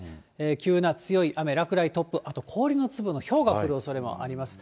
急な強い雨、落雷、突風、あと氷の粒のひょうが降るおそれもあります。